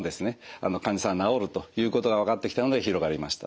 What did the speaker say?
患者さんが治るということが分かってきたので広がりました。